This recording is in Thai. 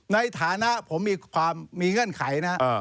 ในฐานะผมมีความมีเงื่อนไขนะ